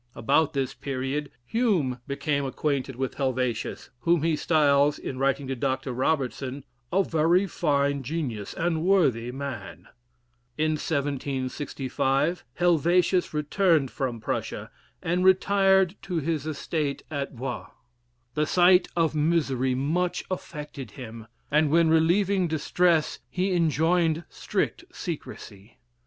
About this period Hume became acquainted with Helvetius, whom he styles, in writing to Dr. Robertson, "a very fine genius and worthy man." In 1765, Helvetius returned from Prussia, and retired to his estate at Vore. The sight of misery much affected him; and when relieving distress, he enjoined strict secrecy.